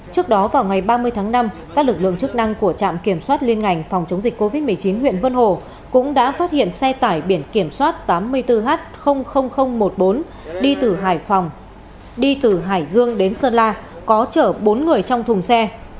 trước đó vào ngày ba mươi tháng năm các lực lượng chức năng của trạm kiểm soát liên ngành phòng chống dịch covid một mươi chín huyện vân hồ cũng đã phát hiện xe tải biển kiểm soát tám mươi bốn h một mươi bốn đi từ hải phòng đi từ hải dương đến sơn la có chở bốn người trong thùng xe